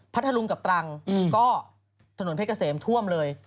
ทะลุงกับตรังก็ถนนเพชรเกษมท่วมเลย